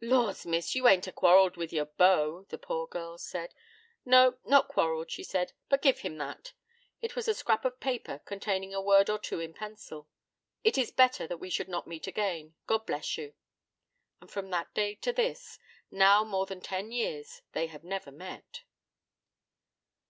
'Laws miss, you ain't a quarrelled with your beau?' the poor girl said. 'No, not quarrelled,' she said; 'but give him that.' It was a scrap of paper containing a word or two in pencil. 'It is better that we should not meet again. God bless you.' And from that day to this, now more than ten years, they have never met.